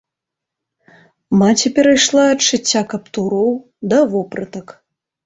Маці перайшла ад шыцця каптуроў да вопратак.